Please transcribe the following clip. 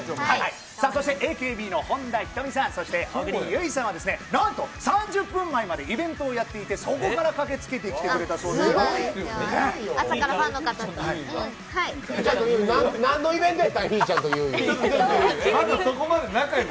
さあそして、ＡＫＢの本田仁美さん、そして小栗有以さんはなんと３０分前までイベントをやっていて、そこから駆けつけてきてくれたそうです、すごい。